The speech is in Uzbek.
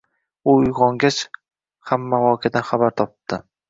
U uygʻongach hamma voqeadan xabar topibdi